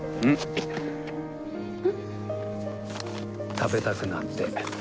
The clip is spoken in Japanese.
食べたくなって。